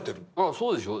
そうでしょう。